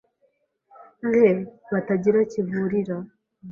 nke batagira kivurira.